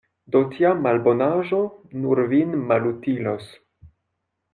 Do tia malbonaĵo nur vin malutilos.